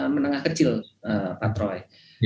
menengah kecil pak troy